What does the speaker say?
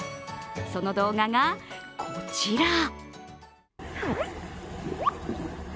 その動画がこちら。